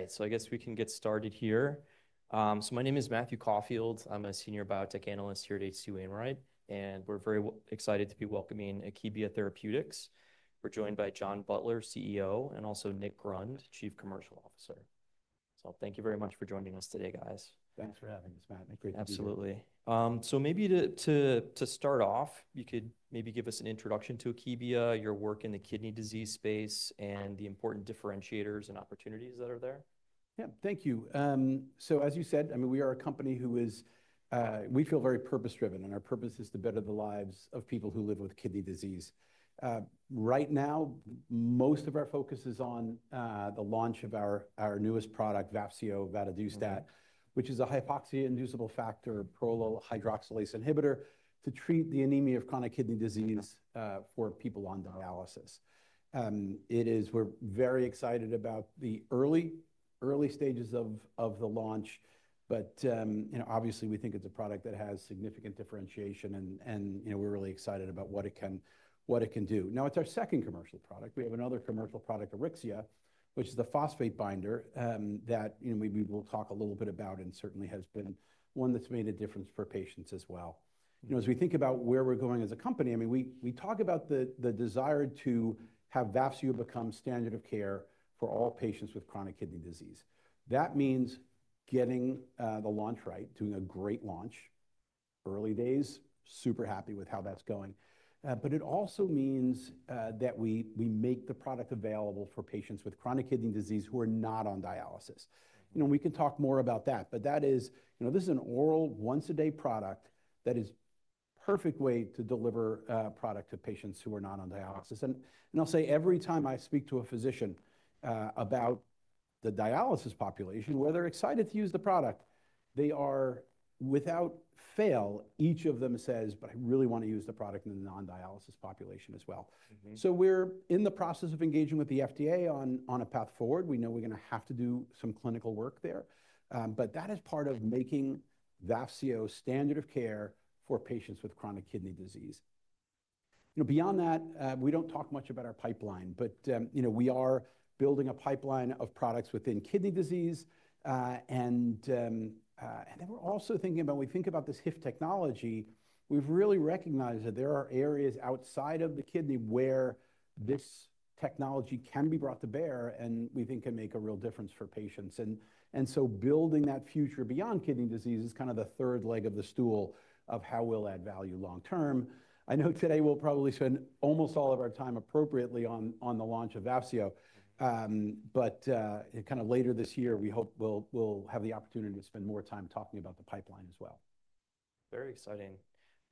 All right, I guess we can get started here. My name is Matthew Caufield, I'm a senior biotech analyst here at H.C. Wainwright, and we're very excited to be welcoming Akebia Therapeutics. We're joined by John Butler, CEO, and also Nik Grund, Chief Commercial Officer. Thank you very much for joining us today, guys. Thanks for having us, Matt. I appreciate it. Absolutely. Maybe to start off, you could maybe give us an introduction to Akebia, your work in the kidney disease space, and the important differentiators and opportunities that are there. Yeah, thank you. As you said, I mean, we are a company who is, we feel very purpose-driven, and our purpose is to better the lives of people who live with kidney disease. Right now, most of our focus is on the launch of our newest product, Vafseo, vadadustat, which is a hypoxia-inducible factor prolyl hydroxylase inhibitor to treat the anemia of chronic kidney disease for people on dialysis. We are very excited about the early stages of the launch, but, you know, obviously we think it's a product that has significant differentiation and, you know, we're really excited about what it can do. Now it's our second commercial product. We have another commercial product, Auryxia, which is the phosphate binder, that, you know, we will talk a little bit about and certainly has been one that's made a difference for patients as well. You know, as we think about where we're going as a company, I mean, we talk about the desire to have Vafseo become standard of care for all patients with chronic kidney disease. That means getting the launch right, doing a great launch, early days, super happy with how that's going. It also means that we make the product available for patients with chronic kidney disease who are not on dialysis. You know, and we can talk more about that, but that is, you know, this is an oral once-a-day product that is a perfect way to deliver product to patients who are not on dialysis. Every time I speak to a physician about the dialysis population, where they're excited to use the product, they are, without fail, each of them says, I really want to use the product in the non-dialysis population as well. We are in the process of engaging with the FDA on a path forward. We know we are going to have to do some clinical work there. That is part of making Vafseo standard of care for patients with chronic kidney disease. You know, beyond that, we don't talk much about our pipeline, but, you know, we are building a pipeline of products within kidney disease, and then we're also thinking about, when we think about this HIF technology, we've really recognized that there are areas outside of the kidney where this technology can be brought to bear and we think can make a real difference for patients. And so building that future beyond kidney disease is kind of the third leg of the stool of how we'll add value long term. I know today we'll probably spend almost all of our time appropriately on the launch of Vafseo, but, kind of later this year, we hope we'll have the opportunity to spend more time talking about the pipeline as well. Very exciting.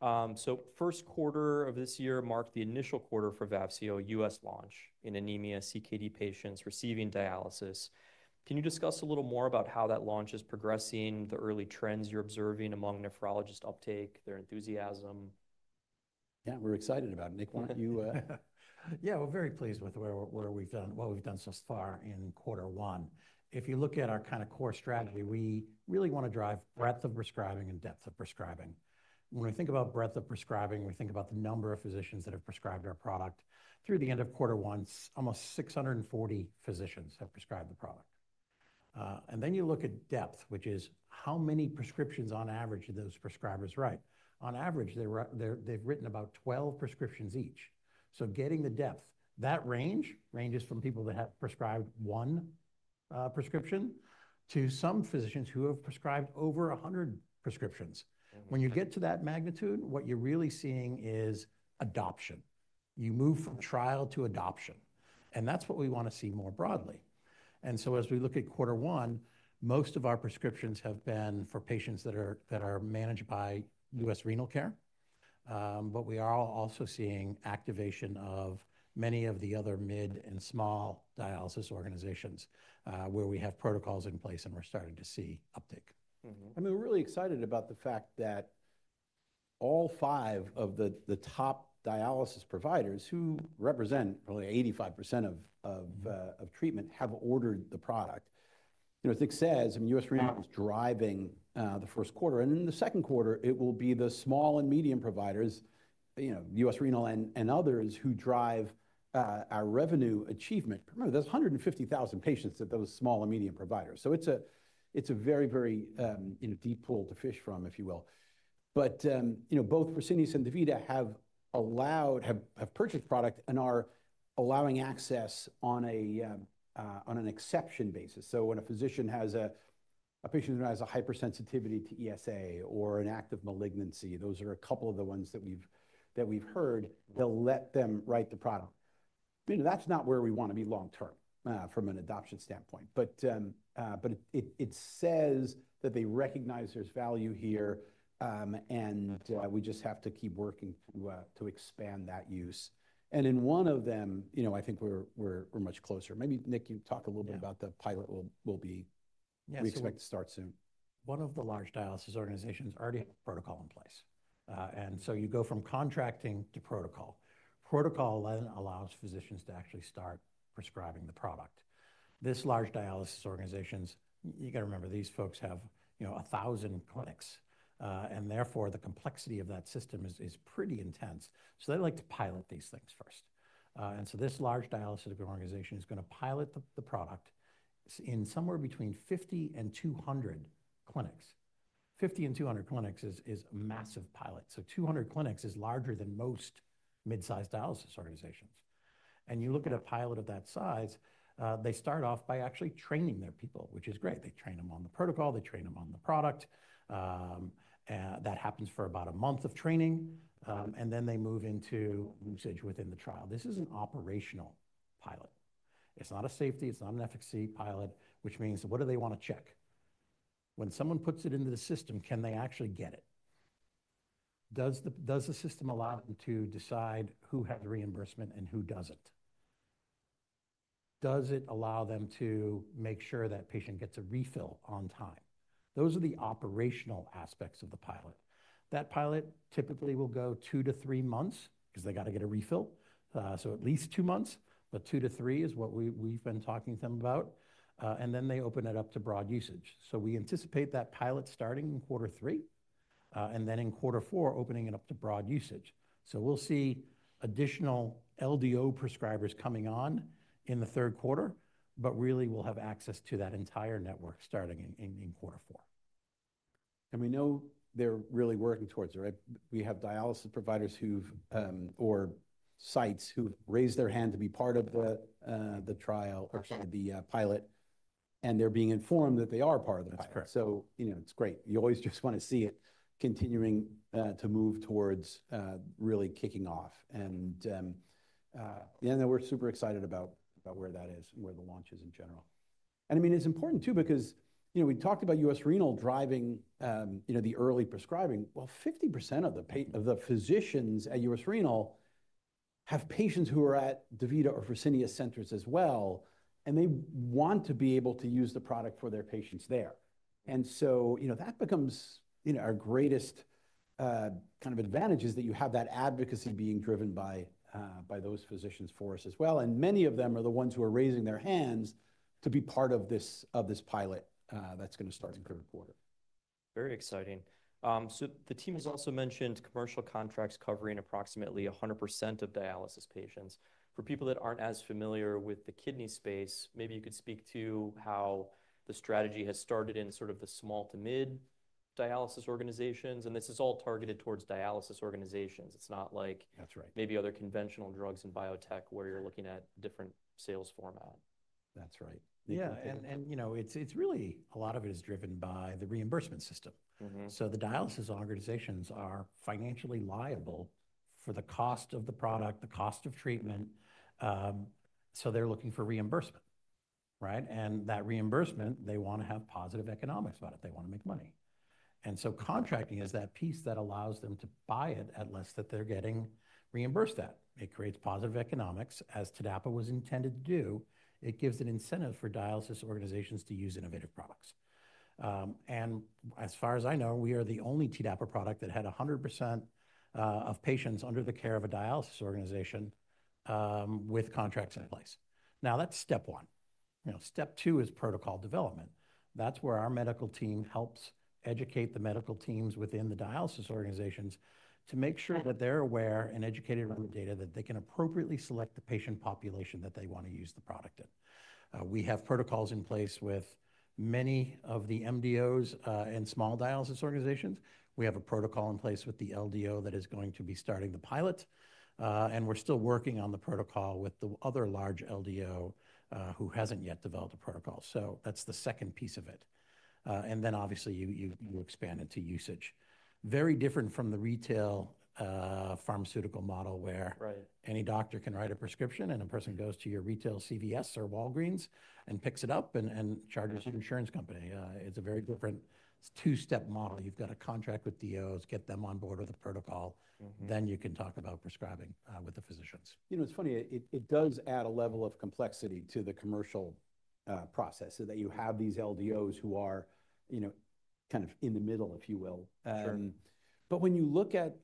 The first quarter of this year marked the initial quarter for Vafseo U.S. launch in anemia CKD patients receiving dialysis. Can you discuss a little more about how that launch is progressing, the early trends you're observing among nephrologists' uptake, their enthusiasm? Yeah, we're excited about it. Nik, why don't you, yeah, we're very pleased with where, where we've done, what we've done so far in quarter one. If you look at our kind of core strategy, we really want to drive breadth of prescribing and depth of prescribing. When we think about breadth of prescribing, we think about the number of physicians that have prescribed our product. Through the end of quarter one, almost 640 physicians have prescribed the product. Then you look at depth, which is how many prescriptions on average those prescribers write. On average, they've written about 12 prescriptions each. Getting the depth, that range ranges from people that have prescribed one prescription to some physicians who have prescribed over 100 prescriptions. When you get to that magnitude, what you're really seeing is adoption. You move from trial to adoption, and that's what we want to see more broadly. As we look at quarter one, most of our prescriptions have been for patients that are managed by U.S. Renal Care. We are also seeing activation of many of the other mid and small dialysis organizations, where we have protocols in place and we're starting to see uptake. I mean, we're really excited about the fact that all five of the top dialysis providers who represent probably 85% of treatment have ordered the product. You know, as Nik says, U.S. Renal is driving the first quarter, and in the second quarter, it will be the small and medium providers, you know, U.S. Renal and others who drive our revenue achievement. Remember, there's 150,000 patients at those small and medium providers. It is a very, very, you know, deep pool to fish from, if you will. But, you know, both Fresenius and DaVita have purchased product and are allowing access on an exception basis. When a physician has a patient who has a hypersensitivity to ESA or an active malignancy, those are a couple of the ones that we've heard that'll let them write the product. You know, that's not where we want to be long term, from an adoption standpoint, but it says that they recognize there's value here, and we just have to keep working to expand that use. In one of them, you know, I think we're much closer. Maybe Nik, you talk a little bit about the pilot we expect to start soon. One of the large dialysis organizations already has protocol in place. You go from contracting to protocol. Protocol then allows physicians to actually start prescribing the product. This large dialysis organization, you got to remember these folks have, you know, a thousand clinics, and therefore the complexity of that system is pretty intense. They like to pilot these things first. This large dialysis organization is going to pilot the product in somewhere between 50 and 200 clinics. 50 and 200 clinics is a massive pilot. 200 clinics is larger than most mid-sized dialysis organizations. You look at a pilot of that size, they start off by actually training their people, which is great. They train them on the protocol, they train them on the product. That happens for about a month of training. And then they move into usage within the trial. This is an operational pilot. It's not a safety, it's not an efficacy pilot, which means what do they want to check? When someone puts it into the system, can they actually get it? Does the, does the system allow them to decide who has reimbursement and who doesn't? Does it allow them to make sure that patient gets a refill on time? Those are the operational aspects of the pilot. That pilot typically will go two to three months because they got to get a refill. at least two months, but two to three is what we, we've been talking to them about. And then they open it up to broad usage. We anticipate that pilot starting in quarter three, and then in quarter four, opening it up to broad usage. We'll see additional LDO prescribers coming on in the third quarter, but really we'll have access to that entire network starting in quarter four. We know they're really working towards it, right? We have dialysis providers or sites who've raised their hand to be part of the trial or trying to be pilot, and they're being informed that they are part of that. You know, it's great. You always just want to see it continuing to move towards really kicking off, and we're super excited about where that is and where the launch is in general. I mean, it's important too, because, you know, we talked about U.S. Renal driving the early prescribing. 50% of the physicians at U.S. Renal have patients who are at DaVita or Fresenius centers as well, and they want to be able to use the product for their patients there. You know, that becomes, you know, our greatest, kind of advantage is that you have that advocacy being driven by those physicians for us as well. Many of them are the ones who are raising their hands to be part of this, of this pilot, that's going to start in third quarter. Very exciting. The team has also mentioned commercial contracts covering approximately 100% of dialysis patients. For people that aren't as familiar with the kidney space, maybe you could speak to how the strategy has started in sort of the small to mid dialysis organizations. This is all targeted towards dialysis organizations. It's not like. That's right. Maybe other conventional drugs and biotech where you're looking at different sales format. That's right. Yeah. And, you know, it's really, a lot of it is driven by the reimbursement system. The dialysis organizations are financially liable for the cost of the product, the cost of treatment. So they're looking for reimbursement, right? And that reimbursement, they want to have positive economics about it. They want to make money. Contracting is that piece that allows them to buy it at less that they're getting reimbursed at. It creates positive economics as TDAPA was intended to do. It gives an incentive for dialysis organizations to use innovative products. And as far as I know, we are the only TDAPA product that had 100% of patients under the care of a dialysis organization, with contracts in place. Now that's step one. Step two is protocol development. That's where our medical team helps educate the medical teams within the dialysis organizations to make sure that they're aware and educated on the data that they can appropriately select the patient population that they want to use the product in. We have protocols in place with many of the MDOs and small dialysis organizations. We have a protocol in place with the LDO that is going to be starting the pilot. We are still working on the protocol with the other large LDO, who hasn't yet developed a protocol. That is the second piece of it. Then obviously you expand it to usage. Very different from the retail, pharmaceutical model where any doctor can write a prescription and a person goes to your retail CVS or Walgreens and picks it up and charges your insurance company. It is a very different, it is a two-step model. You've got to contract with LDOs, get them on board with the protocol, then you can talk about prescribing, with the physicians. You know, it's funny, it does add a level of complexity to the commercial process so that you have these LDOs who are, you know, kind of in the middle, if you will. When you look at,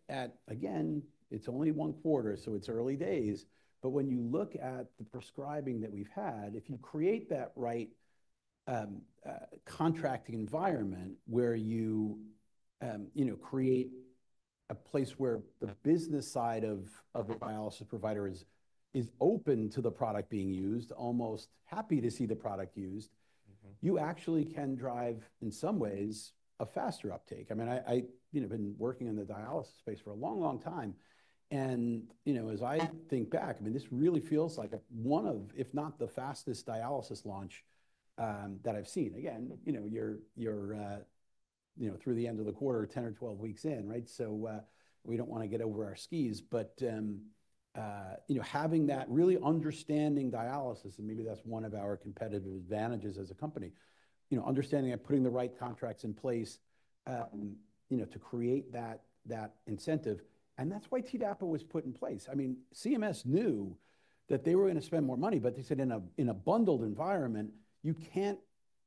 again, it's only one quarter, so it's early days, but when you look at the prescribing that we've had, if you create that right contracting environment where you, you know, create a place where the business side of a dialysis provider is open to the product being used, almost happy to see the product used, you actually can drive in some ways a faster uptake. I mean, I, you know, been working in the dialysis space for a long, long time. You know, as I think back, I mean, this really feels like one of, if not the fastest dialysis launch, that I've seen. Again, you know, you're, you're, you know, through the end of the quarter, 10 or 12 weeks in, right? We don't want to get over our skis, but, you know, having that really understanding dialysis, and maybe that's one of our competitive advantages as a company, you know, understanding and putting the right contracts in place, you know, to create that, that incentive. That's why TDAPA was put in place. I mean, CMS knew that they were going to spend more money, but they said in a, in a bundled environment, you can't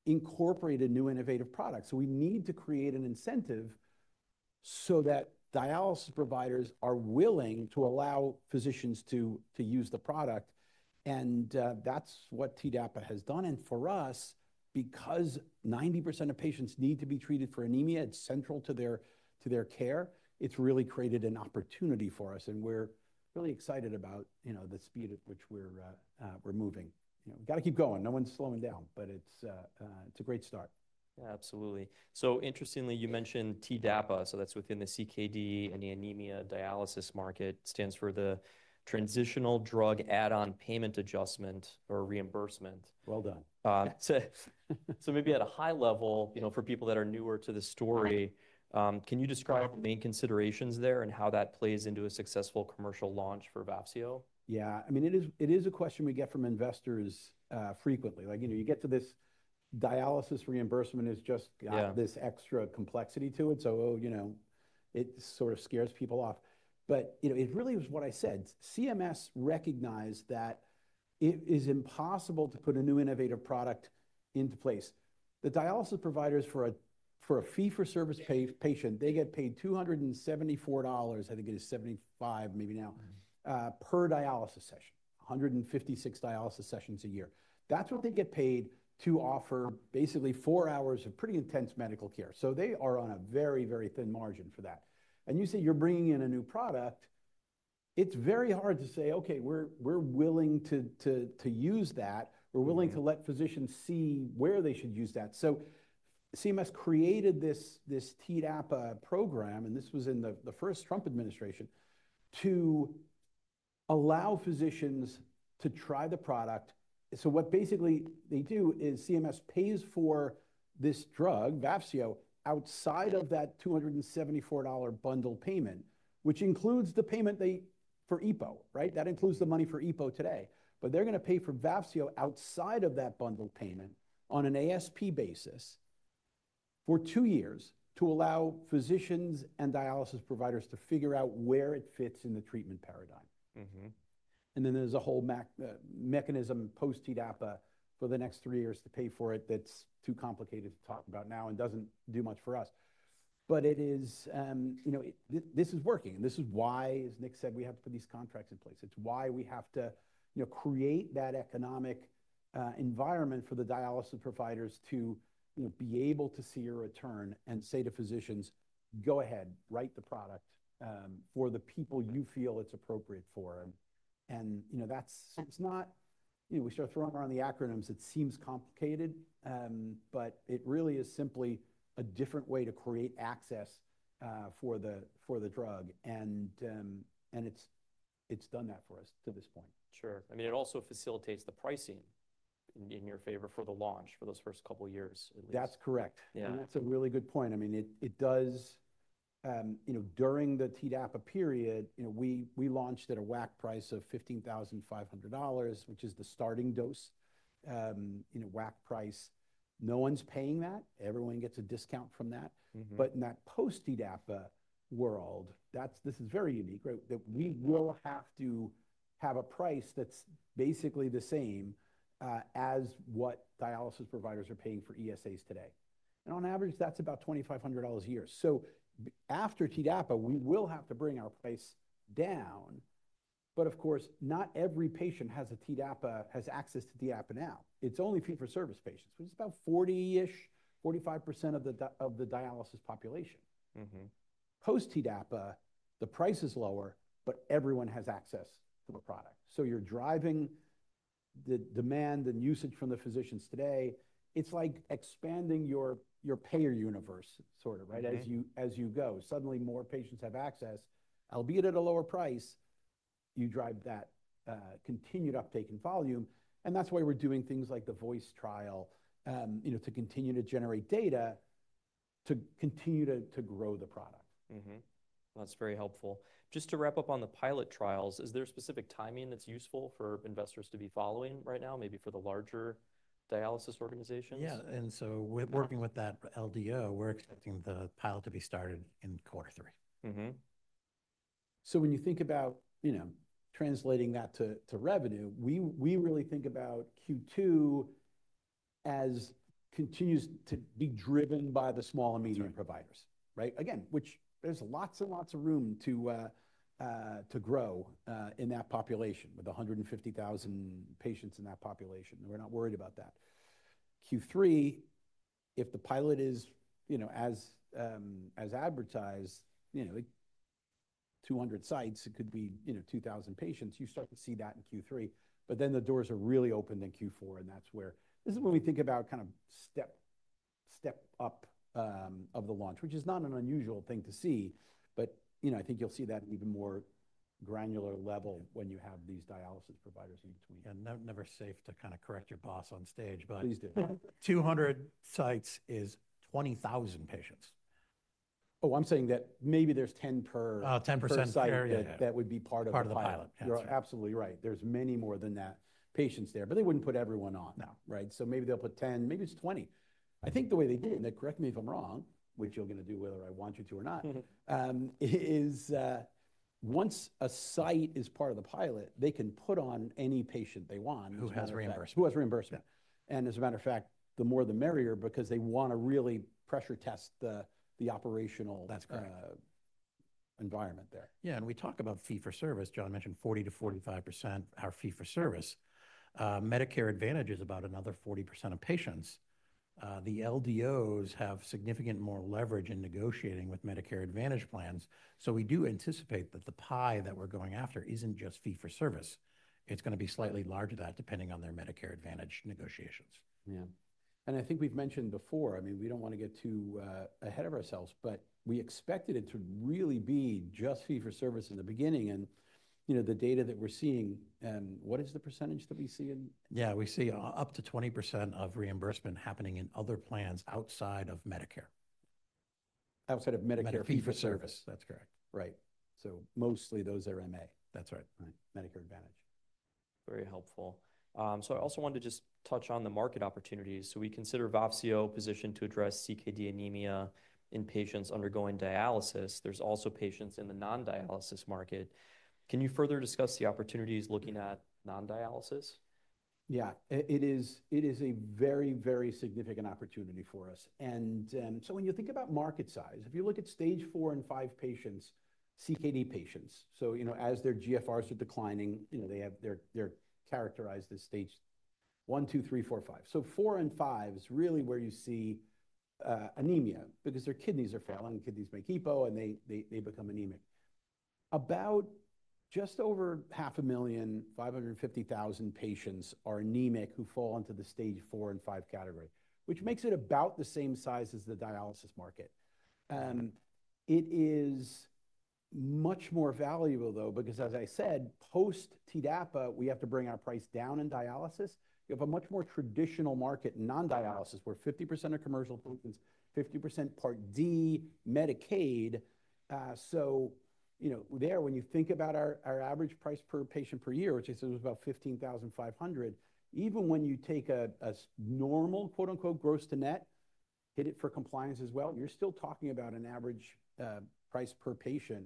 incorporate a new innovative product. We need to create an incentive so that dialysis providers are willing to allow physicians to, to use the product. That is what TDAPA has done. For us, because 90% of patients need to be treated for anemia, it is central to their care. It has really created an opportunity for us. We are really excited about, you know, the speed at which we are moving. You know, we have to keep going. No one is slowing down, but it is a great start. Yeah, absolutely. Interestingly, you mentioned TDAPA, so that's within the CKD and the anemia dialysis market. It stands for the Transitional Drug Add-on Payment Adjustment or Reimbursement. Well done. So maybe at a high level, you know, for people that are newer to the story, can you describe the main considerations there and how that plays into a successful commercial launch for Vafseo? Yeah, I mean, it is, it is a question we get from investors frequently. Like, you know, you get to this dialysis reimbursement, it's just got this extra complexity to it. You know, it sort of scares people off. You know, it really was what I said. CMS recognized that it is impossible to put a new innovative product into place. The dialysis providers for a fee for service patient, they get paid $274, I think it is $275 maybe now, per dialysis session, 156 dialysis sessions a year. That's what they get paid to offer basically four hours of pretty intense medical care. They are on a very, very thin margin for that. You say you're bringing in a new product. It's very hard to say, okay, we're willing to use that. We're willing to let physicians see where they should use that. CMS created this TDAPA program, and this was in the first Trump administration to allow physicians to try the product. What basically they do is CMS pays for this drug, Vafseo, outside of that $274 bundle payment, which includes the payment they for EPO, right? That includes the money for EPO today, but they're going to pay for Vafseo outside of that bundle payment on an ASP basis for two years to allow physicians and dialysis providers to figure out where it fits in the treatment paradigm. You know, there is a whole mechanism post TDAPA for the next three years to pay for it. That's too complicated to talk about now and doesn't do much for us. But it is, you know, this is working. This is why, as Nik said, we have to put these contracts in place. It's why we have to, you know, create that economic environment for the dialysis providers to, you know, be able to see a return and say to physicians, go ahead, write the product, for the people you feel it's appropriate for. You know, that's, it's not, you know, we start throwing around the acronyms. It seems complicated, but it really is simply a different way to create access for the drug. It's done that for us to this point. Sure. I mean, it also facilitates the pricing in your favor for the launch for those first couple of years. That's correct. Yeah, that's a really good point. I mean, it does, you know, during the TDAPA period, we launched at a WAC price of $15,500, which is the starting dose, in a WAC price. No one's paying that. Everyone gets a discount from that. In that post-TDAPA world, this is very unique, right? We will have to have a price that's basically the same as what dialysis providers are paying for ESAs today. On average, that's about $2,500 a year. After TDAPA, we will have to bring our price down. Of course, not every patient has a TDAPA, has access to TDAPA now. It's only fee for service patients, which is about 40%-45% of the dialysis population. Post-TDAPA, the price is lower, but everyone has access to a product. You're driving the demand and usage from the physicians today. It's like expanding your, your payer universe, sort of, right? As you go, suddenly more patients have access, albeit at a lower price. You drive that, continued uptake and volume. That's why we're doing things like the VOICE trial, you know, to continue to generate data, to continue to, to grow the product. That's very helpful. Just to wrap up on the pilot trials, is there a specific timing that's useful for investors to be following right now, maybe for the larger dialysis organizations? Yeah. We're working with that LDO. We're expecting the pilot to be started in quarter three. When you think about, you know, translating that to revenue, we really think about Q2 as continues to be driven by the small and medium providers, right? Again, which there's lots and lots of room to grow in that population with 150,000 patients in that population. We're not worried about that. Q3, if the pilot is, you know, as advertised, you know, at 200 sites, it could be, you know, 2,000 patients. You start to see that in Q3, but then the doors are really opened in Q4. That's where this is when we think about kind of step, step up, of the launch, which is not an unusual thing to see, but, you know, I think you'll see that even more granular level when you have these dialysis providers in between. Yeah, never safe to kind of correct your boss on stage. Please do. 200 sites is 20,000 patients. Oh, I'm saying that maybe there's 10 or 10% area that would be part of the pilot. You're absolutely right. There's many more than that patients there, but they wouldn't put everyone on now, right? Maybe they'll put 10%, maybe it's 20%. I think the way they did, and correct me if I'm wrong, which you're going to do whether I want you to or not, is, once a site is part of the pilot, they can put on any patient they want. Who has reimbursement? Who has reimbursement. As a matter of fact, the more the merrier, because they want to really pressure test the operational environment there. Yeah. We talk about fee for service. John mentioned 40%-45% are fee for service. Medicare Advantage is about another 40% of patients. The LDOs have significant more leverage in negotiating with Medicare Advantage plans. We do anticipate that the pie that we're going after isn't just fee for service. It's going to be slightly larger, depending on their Medicare Advantage negotiations. Yeah. I think we've mentioned before, I mean, we don't want to get too ahead of ourselves, but we expected it to really be just fee for service in the beginning. You know, the data that we're seeing, what is the percentage that we see in? Yeah, we see up to 20% of reimbursement happening in other plans outside of Medicare. Outside of Medicare fee for service. That's correct. Right. So mostly those are MA. That's right. Medicare Advantage. Very helpful. I also wanted to just touch on the market opportunities. We consider Vafseo positioned to address CKD anemia in patients undergoing dialysis. There's also patients in the non-dialysis market. Can you further discuss the opportunities looking at non-dialysis? Yeah, it is, it is a very, very significant opportunity for us. When you think about market size, if you look at stage four and five patients, CKD patients, you know, as their GFRs are declining, you know, they have, they're, they're characterized as stage one, two, three, four, five. Four and five is really where you see anemia, because their kidneys are failing and kidneys make EPO and they, they, they become anemic. About just over half a million, 550,000 patients are anemic who fall into the stage four and five category, which makes it about the same size as the dialysis market. It is much more valuable though, because as I said, post TDAPA, we have to bring our price down in dialysis. You have a much more traditional market, non-dialysis, where 50% are commercial patients, 50% Part D, Medicaid. You know, when you think about our average price per patient per year, which is about $15,500, even when you take a normal quote unquote gross to net, hit it for compliance as well, you're still talking about an average price per patient,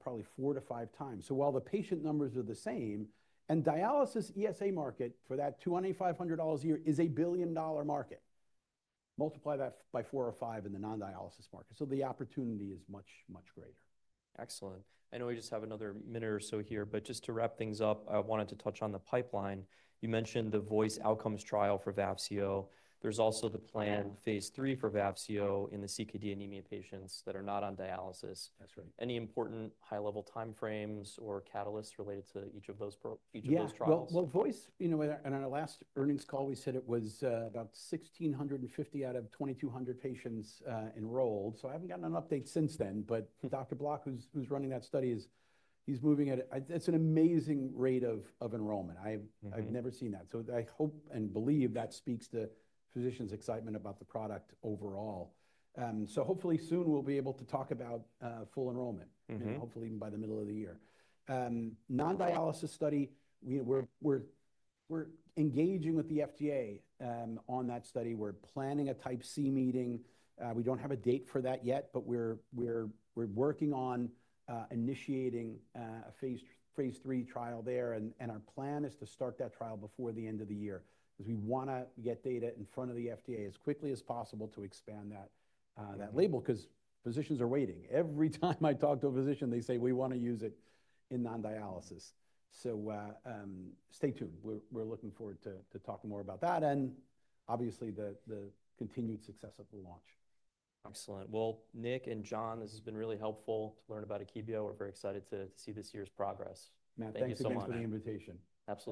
probably four to five times. While the patient numbers are the same, and dialysis ESA market for that $2,500 a year is a billion dollar market. Multiply that by four or five in the non-dialysis market. The opportunity is much, much greater. Excellent. I know we just have another minute or so here, but just to wrap things up, I wanted to touch on the pipeline. You mentioned the VOICE outcomes trial for Vafseo. There's also the planned phase III for Vafseo in the CKD anemia patients that are not on dialysis. That's right. Any important high level timeframes or catalysts related to each of those, each of those trials? Yeah, voice, you know, in our last earnings call, we said it was about 1,650 out of 2,200 patients enrolled. I haven't gotten an update since then, but Dr. Block, who's running that study, is moving at it. It's an amazing rate of enrollment. I've never seen that. I hope and believe that speaks to physicians' excitement about the product overall. Hopefully soon we'll be able to talk about full enrollment, you know, hopefully even by the middle of the year. Non-dialysis study, we're engaging with the FDA on that study. We're planning a type C meeting. We don't have a date for that yet, but we're working on initiating a phase III trial there. Our plan is to start that trial before the end of the year, because we want to get data in front of the FDA as quickly as possible to expand that label, because physicians are waiting. Every time I talk to a physician, they say, we want to use it in non-dialysis. Stay tuned. We're looking forward to talking more about that and obviously the continued success of the launch. Excellent. Nik and John, this has been really helpful to learn about Akebia. We're very excited to see this year's progress. Matt, thank you so much. Thanks for the invitation. Absolutely.